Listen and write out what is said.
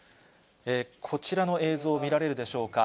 こちらの映像、見られるでしょうか。